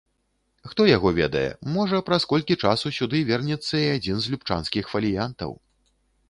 Хто яго ведае, можа праз колькі часу сюды вернецца і адзін з любчанскіх фаліянтаў.